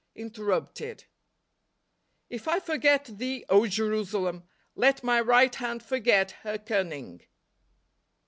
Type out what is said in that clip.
Interrupted. " If I forget thee, 0, Jerusalem! let my right hand forget her cunning."